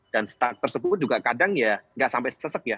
dan stuck tersebut juga kadang ya nggak sampai sesek ya